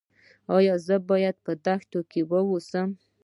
ایا زه باید په دښته کې اوسم؟